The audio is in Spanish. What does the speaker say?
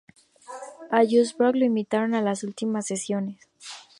A Jruschov lo invitaron a las últimas sesiones.